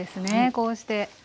こうして。